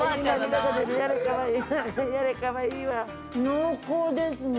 濃厚ですね。